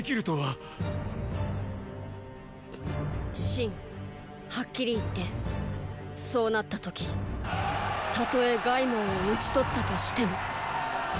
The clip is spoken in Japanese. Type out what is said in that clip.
信はっきり言ってそうなった時たとえ凱孟を討ち取ったとしてもーー。